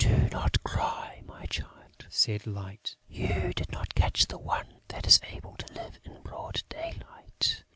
"Do not cry, my child," said Light. "You did not catch the one that is able to live in broad daylight....